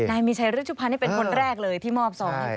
นายมีชัยริชุพรรณเป็นคนแรกเลยที่มอบส่องให้คุณตูน